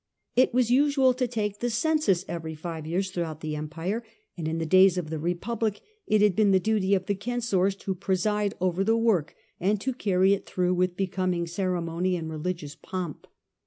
It was usual to take the cen sus every five years throughout the Empire, and in the days of the Republic it had been the duty of the censors to preside over the work, and to carry it through with becoming ceremony and religious pomp.